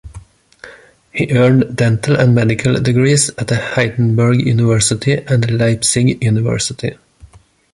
He earned dental and medical degrees at the Heidelberg University and the Leipzig University.